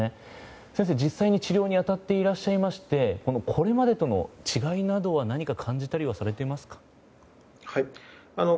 先生、実際に治療に当たっていらっしゃいましてこれまでとの違いは何か感じたりされていますか。